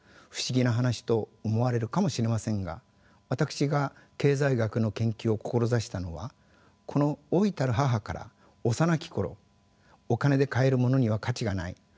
不思議な話と思われるかもしれませんが私が経済学の研究を志したのはこの老いたる母から幼き頃「お金で買えるものには価値がない」。